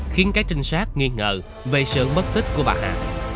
khiến các trinh sát nghi ngờ về sự mất tích của bà an